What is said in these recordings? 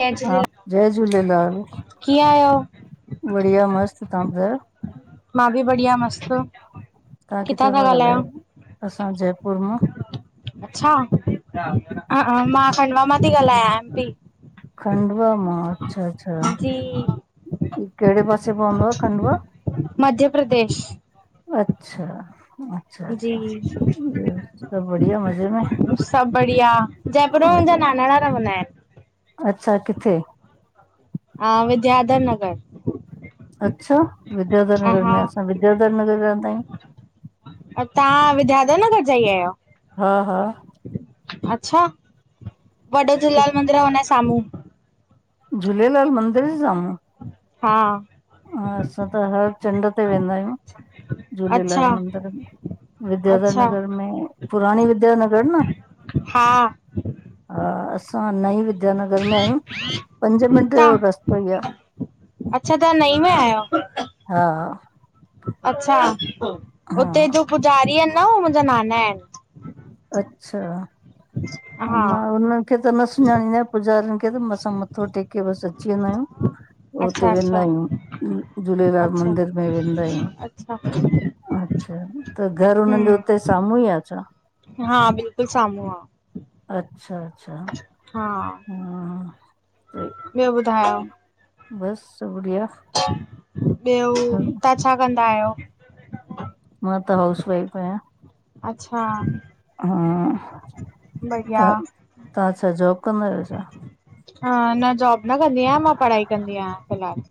जय हा जय झूलेलाल। कीअं आहियो? बढ़िया, मस्त तहां ॿुधायो? मां बि बढ़िया मस्त तहां किथां पिया ॻाल्हायो? असां जयपुर मां। अच्छा अ मां खंडवा मां ती ॻाल्हायां एम पी खंडवा मां अच्छा अच्छा। जी ई केड़े पासे पवंदो आ खंडवा? मध्य प्रदेश। अच्छा अच्छा जी अच्छा ॿियो सभु बढ़िया मज़े में। सभु बढ़िया जयपुर में मुंजा नानाणा रवंदा ऐंनि। अच्छा किथे? हा विद्याधर नगर अच्छा विद्याधर हा नगर हा में असां विद्याधर नगर जा त आहियूं। तहां विद्याधर नगर जा ई अहियो। हा हा। अच्छा वॾो कि झूलेलाल मंदिर आ हुन जे साम्हूं। झूलेलाल मंदिर जे साम्हूं। हा। हा असां त हर चंड ते वेंदा आहियूं अच्छा झूलेलाल मंदर में। विद्याधर अच्छा नगर में पुराणी विद्यानगर न। हा। हा असां नई विद्यानगर में आहियूं पंज मिंट जो तव्हां रस्तो ई आ। अच्छा तहां नई में आहियो? हा। अच्छा! हा हुते जो पुॼारी आहिन न हू मुंजा नाना आहिन। अच्छा, हा मां हुन त न सुञाणींदा आंयूं पुजारनि खे त, असां मथो टेके बस अची वेंदा आयूं। हुते अच्छा अच्छा वेंदा आहियूं, झूलेलाल अच्छा मंदिर में वेंदा आहियूं। अच्छा अच्छा त घर हुननि जो उते हम्म साम्हूं ई आ छा? हा बिल्कुलु साम्हूं आ। अच्छा- अच्छा! हा हा ॿियो ॿुधायो? बस बढ़िया। ॿियो, तां छा कंदा आयो? मां त हाउस वाइफ आयां। अच्छा- हा, त बढ़िया तां छा जॉब कंदा आयो छा? न जॉब न कंदी आयां, मां पढ़ाई कंदी आयां फिलहाल।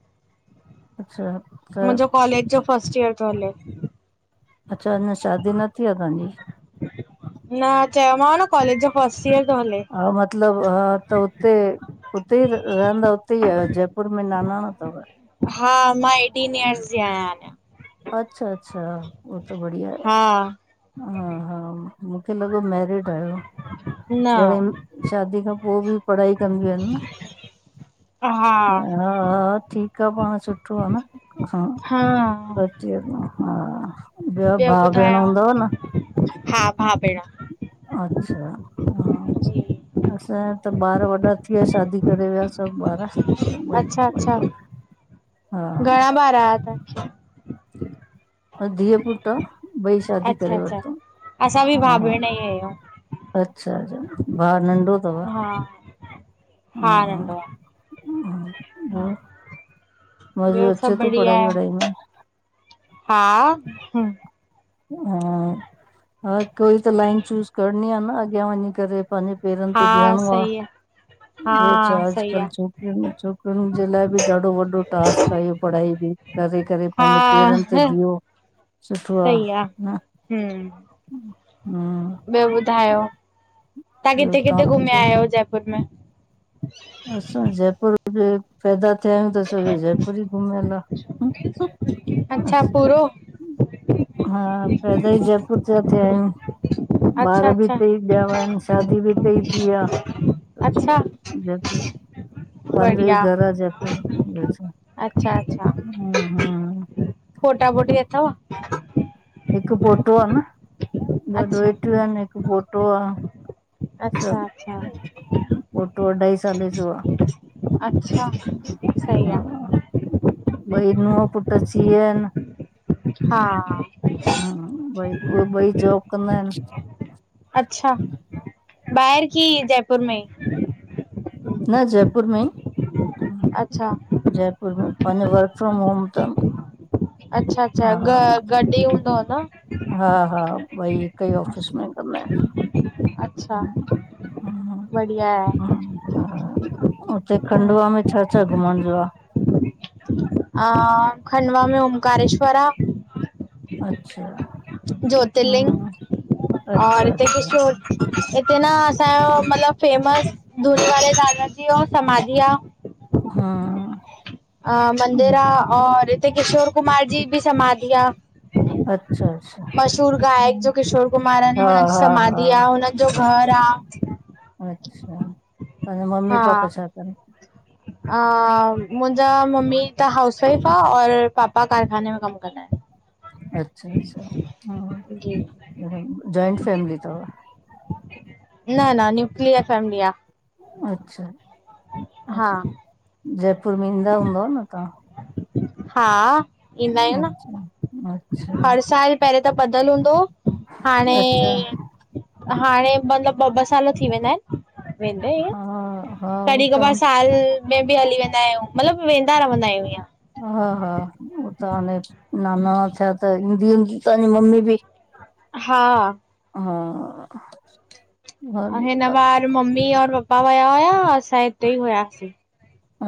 अच्छा। त मुंजो कॉलेज जो फर्स्ट ईयर तो हले। अच्छा अञा शादी न थी आ तहांजी! न, चयोमाव न कॉलेज जो फर्स्ट इयर तो हले। हा मतलब त उते उते ई रहंदा हुते ई आयो, जयपुर में नानाणा तव? हा मां एटीन इयर्स जी आयां अंञा। अच्छा- अच्छा, उह त बढ़िया आए। हा हा, हा, मूंखे लॻो मेरिड आयो! न घणे शादी खां पो बि पढ़ाई कंदयूं आहिन न। हा- हा ठीक आ, पाण सुठो आ न, हा। हा हा, ॿयो ॿियो भा भेण ॿुधायो? हूंदव न? हा भा भेण अच्छा हा। जी [inaudible] असांया त ॿार वॾा थी वया शादी करे वया। सब [unintelligible] बर वई अच्छा व अच्छा ब हा रहा थ [unintelligible] [inaudible] धीअ पुट आ, ॿई शादी अच्छा करे अच्छा असां बि भाउ वरतोंउं। भेण ई आहियूं। अच्छा -अच्छा, भाउ नंढो तव? हा, हा नंॾो हा, आ। ॿियो मज़ो ॿियो अचे सभु तो बढ़िया पढ़ाई आहे? वढ़ाई में? हा, हम्म- हा हा, कोई त लाइन चूज़ करणी आ न अॻयां वञी करे। पंहिंजे पेरन हा ते भिहणो आ। सही ॿियो छा, हा सही आ। अॼकल्ह छोकरियुन, छोकरियुन जे लाइ बि ॾाढो वॾो टास्क आ इहो पढ़ाई बि। करे -करे पहंजे पेरन ते हा भियो, सुठो आ। हम्म हम्म। ॿियो ॿुधायो, तव्हां ॿियो किथे किथे घुमया पुछो आहयो जयपुर में? असां जयपुर बि पैदा थया आहियूं त असाजो जयपुर ई घुमयल आ। अच्छा पूरो, हा पैदा ई जयपुर ते थया आहयूं। अच्छा ॿार बि अच्छा, हित ई ॾियावा आहिन शादी बि हितेई थी आ, त अच्छा पो। पांजो ई बढ़िया, घर आ जयपुर मे ॿयो छा। अच्छा अच्छा। हम्म हम्म पोटापोटी अथव। हिक पोटो आ न ॿ अच्छा डोएटियूं आहिन हिक पोटो आ। अच्छा सभ अच्छा पोर्टो अढाई साले जोआ। अच्छा सही आ। ॿई नूह पुट सीए इन। हा। ह भई उह भई जोब कंदा आहेन। अच्छा बाहेर की जयपुर में ई। न जयपुर में ई। हा अच्छा जयपुर में पंहिंजो वर्क फ्रोम होम तन। अच्छा -अच्छा ग गॾ ई हूंदो न। हा हा ॿई हिक ई ऑफिस में कंदा आहिन। अच्छा हम्म बढ़िया आहे ह ह हा उते- - खंडवा में छा छा घुमण जो आ। अ खंडवा में ओंकारेश्वर आ। अच्छा, हम्म, और अच्छा हिते अच्छा। किशोर हिते न असांजो मतलब फेमस धुनी वाले दादा जीअ समाधि आ। हा। अ मंदिर आ और हिते किशोर कुमार जी बि समाधि आ। अच्छा। अच्छा मशहूर गायक हम्म, जो किशोर कुमार आ हा न हुनजी हा हा समाधि आ हुनन जो घर आ। अच्छा। तव्हांजा मम्मी हा पापा छा कन? [inaudible] अ मुंजा मम्मी त हाउस वाइफ आ और पापा कारखाने में कम कंदा इन। अच्छा अच्छा आहिन हम्म। जी हम्म जॉइंट फैमिली तव? न न न्यूक्लियर फैमिली आ। अच्छा, हा अच्छा। जयपुर में ईंदा हूंदव न तहां? हा। ईंदा आहियूं अच्छा अच्छा। पेंहेंरे त ॿधल हूंदो हो। हाणे अच्छा हाणे मतलब ॿ ॿ साल थी वेंदा इन। वेंदें। हा हा उहो कॾि कबार त साल में बि हली वेंदा आयूं, मतलब वेंदा रवंदा आयूं इअं। हा हा हो त हाणे, नानाणा थिया त ईंदी हूंदी तांजी मम्मी बि? हा। हा। हा अ हिन बार मम्मी और पपा वया हुया असां हिते ई हुयासीं।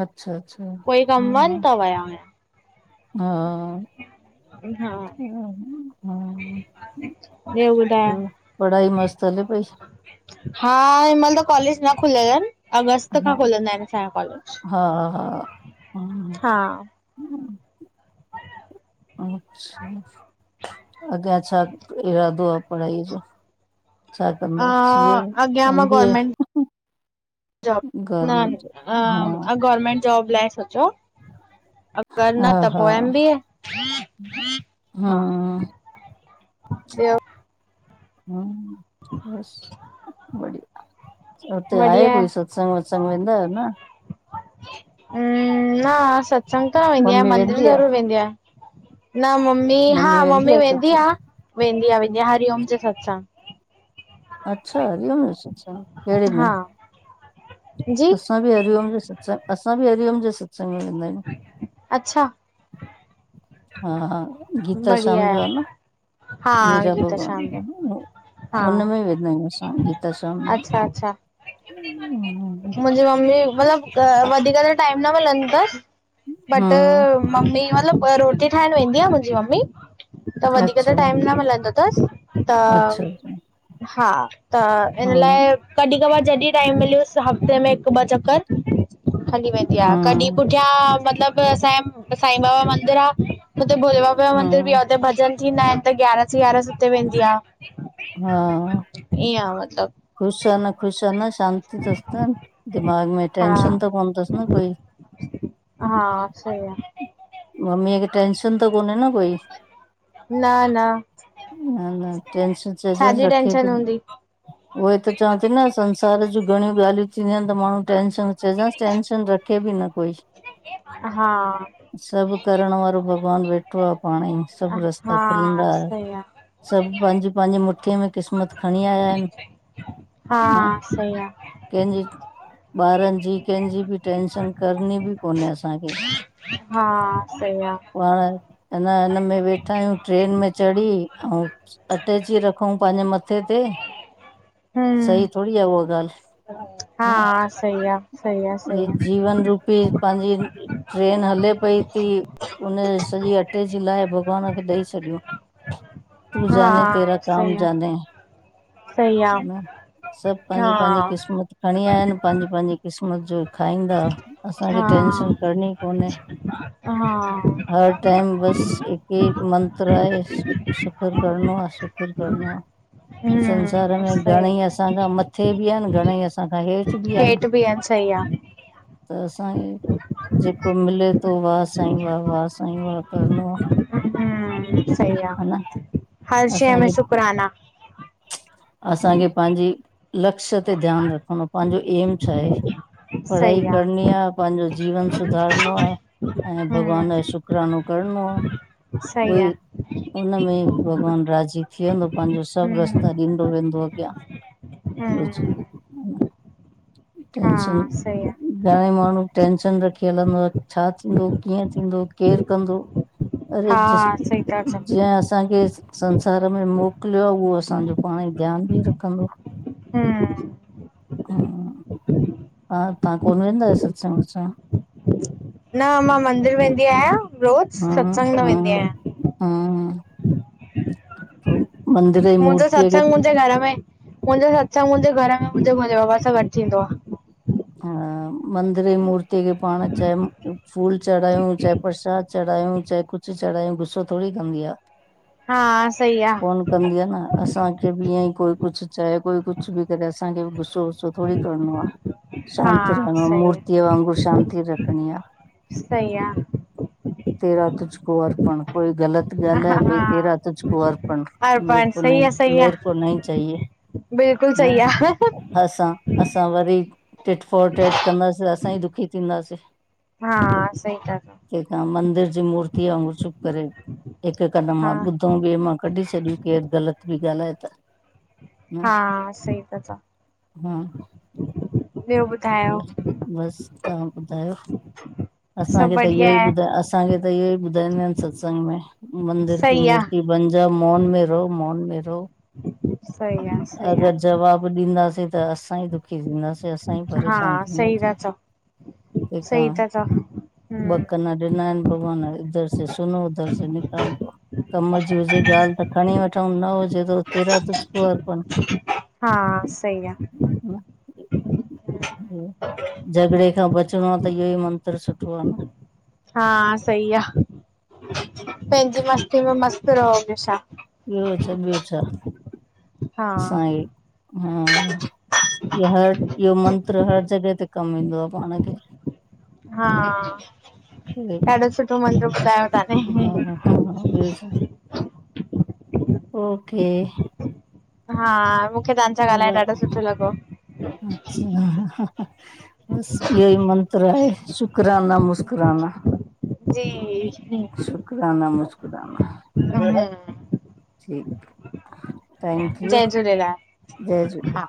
अच्छा अच्छा। कोई कम हा हुन त वया हुया? हा हा हम्म हा। ॿियो ॿुधायो? ॿियो, पढ़ाई मस्त हले पई? हा हिमल त कॉलेज न खुलयल ‌अन। अगस्त हा खां खुलंदा आहिनि असांजा कॉलेज। हा हा हा। अच्छा। अॻियां छा इरादो आ पढ़ाईअ जो? छा अ कंदव सी ए अॻियां मां M B A government job. न गवर्मेंट जो अ, हा अ गवर्नमेंट जॉब लाए सोचो आ। अगर हा न त हा पो एम बी ए। हा। हम्म ॿियो हम्म बस बढ़िया। हुते आहे कोई सु सत्संग वत्संग वेंंदा आयो न? हम्म, न सत्संग त न वेंदी आयां मम्मी मंदिर आ, ज़रूर वेंदी आयां। न मम्मी, हा मम्मी वेंदी आ वेंदी आ वेंदी आ हरिओम जे सत्संग। अच्छा हरिओम जे सत्संग। केड़े में? हा जी असां बि हरिओम जे सत्संग, असां बि हरिओम जे सत्संग में वेंदा आयूं। अच्छा। हा हा गीता बढ़िया श्याम जो आ आहे न। हा मीरा गीता भगवान शाम जो आए न हो। हा हुन में वेंदा आहियूं असां गीता श्याम में। [inaudible] मुंजी मम्मी मतलब वधीक त टाइम न मिलंदो तस, बट हम्म, मम्मी मतलब ब रोटी ठाहिणु वेंदी आ मुंजी मम्मी त वधीक अच्छा त टाइम न मिलंदो तस। त, अच्छा अच्छा हा त इन लाए, हम्म कॾि कबार जॾि टाइम मिलियुस हफ़्ते में हिकु ॿ चकर हली वेंदी आ। कॾि हम्म पुठियां मतलब असांजे साई बाबा मंदिर आ हुते ॿयो मंदिर बि हम्म, आ हुते भजन थींदा आहिनि त ग्यारस ग्यारस हुते वेंदी आ। हा ईअं मतलब ख़ुश आ न ख़ुश आ नस शांती तस त दिमाग में हा टेंशन त कोंनतसि न कोई हा सही आ मम्मीअ खे टेंशन त कोन्हे न कोई न न न न टेंशन छाॼी टेंशन हुंदी उहोई त चवां थी न संसार जुं घणियूं ॻाल्हियूं थींदियूं आहिनि त माण्हू टेंंशन चैजास टेंशन रखे ॿि न कोई हा सभु करण वारो भॻवानु वेठो आ पांणई सभु रस्ता हा खुलंदा सही आ सभु पांन्जी पांन्जी मुट्ठीअ में क़िस्मत खणीं आया आहिन हा न सही आ कंहिंजी ॿारनि जी कंहिंजी ॿि टेंशन करणी ॿि कोन्हे असांखे हा सही आ बार अना हिनमे वेठा आहियूं ट्रेन में चढ़ी अऊ अटेची रख खंउ पांजे मत्थे ते सही हम्म थोड़ी आ उहा ॻाल्हि हा न सही आ सही आ सही ही आ जीवन रूपी पांजी ई ई ट्रेन हले पई ती उन्ह ॼी सॼी अटैची लाहे भॻवान खे ॾई छॾियूं तूं जाने तेरा हा काम सही आ जाने। सही आ न सब पांहिंजी हा पांहिंजी क़िस्मत खणीं आया आहिनि, पांहिंजी -पांहिंजी क़िस्मत ॼो खाईंदा, असांखे टेंशन हा करणीं कोन्हे, हा और टाइम बस हिकु ई मंत्र आहे शुकुर करणों आ, शुकुर करणों आ। हम्म ॼॻ में सही घणंई असांखां मथे ॿि आहिन, घणंई असां खां हेठि बि आहिनि हेठ ॿि आहिन, सही आ। त असांखे जेको मिले तो, वाह सांई, वाह- वाह साईं वाह करणों आ। हम्म सही आ, हर शैं में असांखे शुकराना। असांखे पांहिंजी लक्ष्य ते ध्यानु रखिणों पांहिंजो एम छा हे। पढ़ाई करणीं आ, पाहिंजो जीवन सुधारणों आ ऐं भॻवान ॼो शुक् हम्म शुकरानो करणो आ। सही आ। उनमें भॻवानु राज़ी थी वेंदो पांजो सब हम्म रस्ता ॾींदो वेंदो अॻियां। ब्यो छा, हम्म हन हा टेंशन सही आ घणेईं माण्हू टेंशन रखी हलंदो आ, छा थींदो कीअं थींदो, केर कंदो? अरे जिस् हा सही था चओ जीअं असांखे संसार में मोकिलियो आ उहो असांजो पांणंई ध्यानु ॿि रखंदो। हम्म। ह हा तहां कोन वेंदा आहियो सत्संग वत्संग? न मां मंदिर वेंदी आहियां रोज़, सत्संग न वेंदी आहियां। हम्म म [unintelligible] मुंहिंजो मूर्तीअ खे सत्संग मुंहिंजे घर में मुंहिंजो सत्संग मुंहिंजे घर में मुंहिंजे भोले बाबा सां गॾु थींदो आ। हा मंदिर ॼी मूर्तीअ खे पांण चाहे फूल चढ़ायूं चाहे प्रसाद चढ़ायूं चाहे कुछु चढ़ायंऊ, गुस्सो थोड़ी कंदी आ। हा, सही आ। न कंदी आ न, असांखे ॿि ईअं कोई कुछु चए, कोई कुछु ॿि करे, असांखे ॿि गुस्सो वुस्सो थोङी करणो आ। हा शांत रहणो आ,, सही मूर्तीअ वांगुरु शांति रखणी आ। सही आ तेरा तुझ को अर्पण, कोई ग़लत गाल्हाए, हा भई हा तेरा तुझ कोअर्पण मेरे अर्पण को सही नही, आ सही आ मेरे को नही चाहिए। बिल्कुलु हा सही आ। असां, असां वरी टिट फोर टेट कंदासीं त असां ई दुखी थींदासीं। हा सही ता चओ। तंहिं खां मंदिर जी मूर्ति वांगुर चुप करे हिकु कन हा मां ॿुधऊ ॿिए मां कढी छॾियो केरु ग़लति बि ॻाल्हाए त। न हा सही ता चओ। हा ॿियो ॿुधा बसि तहां ॿुधायो? सभु असांखे त इहो बढ़िया ई आहे, ॿुधाए अस असांखे त इय ई ॿुधाईंदा आहिन सत्संग में, मंदिर की सही आ मूर्ति बन जा मन में रहो मन में रहो। सही आ, सही आ, अगरि जवाब ॾींदासीं त असां ई दुखी थींदासीं। असां परेशान हा सही ता थींदासीं, चओ, सही तंहिंखां ता चओ, ब हम्म कन डिना आहिन, भॻवान, हितां बुधो हुतां कड़ी छड़ियो। कम, जी हुजे ॻाल्हि, त खणी वठऊ, न हुजे त तुहिंजी, तोखे डिनी हा, सई आहे। हा इणदिबल [unintelligible] झगड़े खां बचिणो आहे त इहो ई मंत्र, सुठो आहे न। हा सही आ, पंहिंजी मस्ती, में मस्त, रहो बियो छा? ॿियो छा, ॿियो छा, हा साई हा। इहो हर इहो मंत्र हर जॻह, ते कमु ईंदो आहे, पाण खे। हा। खे ॾाढो, सुठो मंदरु, ॿुधायो तवां हा हा ॿियो छा ने- ओके। हा, मूंखे तव्हां सां ब ॻाल्हाइण ॾाढो सुठो, लॻो। अच्छा बसि, इहो ई मंत्र आहे, शुकराना मुस्कुराना। जी शुकिराना, मुश्किराना। हा इणदीब्ले [unintelligible] ठीकु,। मेहरबानी जय झूलेलाल जय झूलेलाल। हा